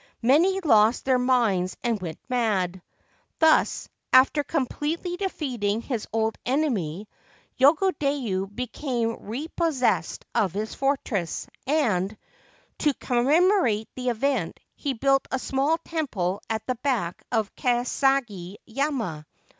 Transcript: Many lost their minds and went mad. Thus, after completely defeating his old enemy, Yogodayu became repossessed of his fortress ; and, to com memorate the event, he built a small temple at the back of Kasagi yama.